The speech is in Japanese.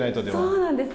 そうなんです。